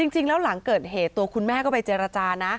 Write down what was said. หลังเกิดเหตุตัวคุณแม่ก็ไปเจรจานะ